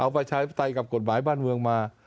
ประชาธิปไตยกับกฎหมายบ้านเมืองมา